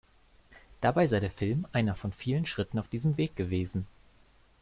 Dabei sei der Film einer von vielen Schritten auf diesem Weg gewesen.